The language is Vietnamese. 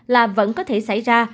là vẫn có thể xảy ra